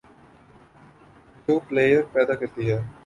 جو پلئیر پیدا کرتی ہے،